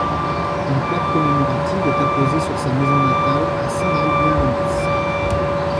Une plaque commémorative est apposée sur sa maison natale à Saint-Julien-lès-Metz.